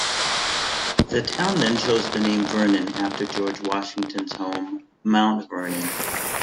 The town then chose the name Vernon, after George Washington's home, Mount Vernon.